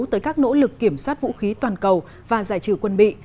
tới các nỗ lực kiểm soát vũ khí toàn cầu và giải trừ quân bị